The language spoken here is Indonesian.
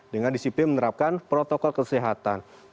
dengan disiplin menerapkan protokol kesehatan